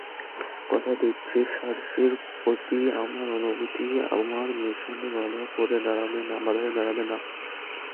কথা দিচ্ছি সার্সির প্রতি আমার অনুভূতি আমার মিশনে বাঁধা হয়ে দাঁড়াবে না।